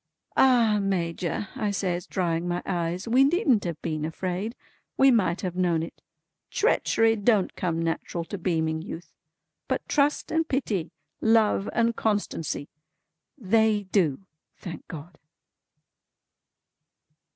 "Ah Major" I says drying my eyes, "we needn't have been afraid. We might have known it. Treachery don't come natural to beaming youth; but trust and pity, love and constancy, they do, thank God!"